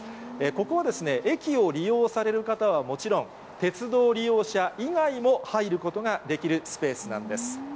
ここは、駅を利用される方はもちろん、鉄道利用者以外も入ることができるスペースなんです。